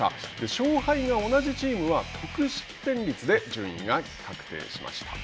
勝敗が同じチームは得失点率で順位が確定しました。